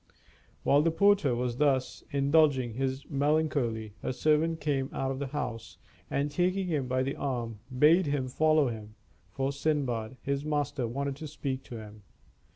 While the porter was thus indulging his melancholy, a servant came out of the house, and taking him by the arm, bade him follow him, for Sindbad, his master, wanted to speak to him.